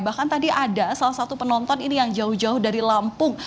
bahkan tadi ada salah satu penonton ini yang jauh jauh dari lampung